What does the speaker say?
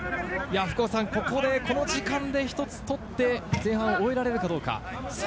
ここでこの時間で１つ取って前半を終えられるかどうか。